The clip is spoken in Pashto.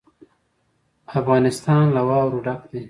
افغانستان له واوره ډک دی.